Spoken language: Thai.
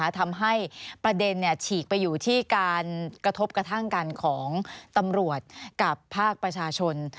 ทำให้ประเด็นฉีกไปอยู่ที่การกระทบกระทั่งกันของตำรวจกับภาคประชาชน